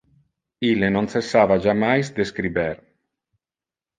Ille non cessava jammais de scriber.